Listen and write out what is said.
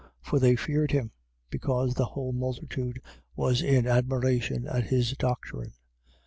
For they feared him, because the whole multitude was in admiration at his doctrine.